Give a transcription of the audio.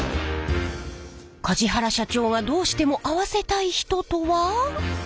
梶原社長がどうしても会わせたい人とは。